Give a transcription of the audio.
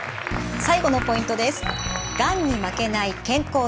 最後のポイントです。